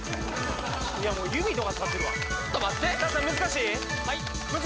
いやもう指とか立ってるわちょっと待ってはい？